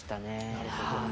なるほど。